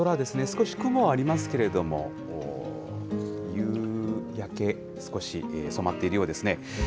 少し雲はありますけれども、夕焼け、少し染まっているようですね。